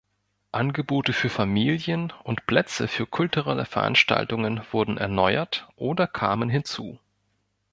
Angebote für Familien und Plätze für kulturelle Veranstaltungen wurden erneuert oder kamen hinzu.